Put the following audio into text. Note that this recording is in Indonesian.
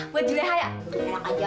buat jeleha ya enak aja